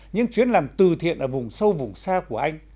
những chuyến làm từ thiện ở vùng sâu vùng xa của anh